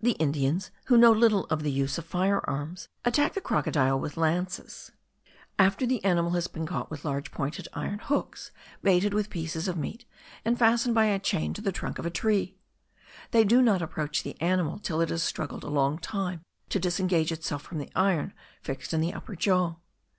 The Indians, who know little of the use of fire arms, attack the crocodile with lances, after the animal has been caught with large pointed iron hooks, baited with pieces of meat, and fastened by a chain to the trunk of a tree. They do not approach the animal till it has struggled a long time to disengage itself from the iron fixed in the upper jaw.